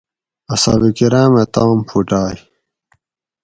اصحاب کرام اۤ تاۤم پھوٹائ